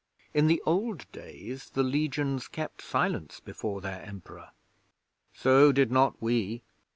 In the old days the Legions kept silence before their Emperor. So did not we!